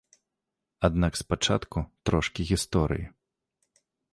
Аднак спачатку трошкі гісторыі.